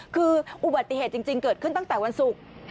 คืออุบัติเหตุจริงเกิดขึ้นตั้งแต่วันศุกร์